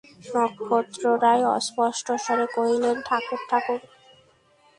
নক্ষত্ররায় অস্পষ্টস্বরে কহিলেন, ঠাকুর–ঠাকুর!